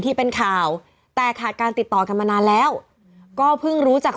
ที่เป็นข่าวแต่ขาดการติดต่อกันมานานแล้วก็เพิ่งรู้จัก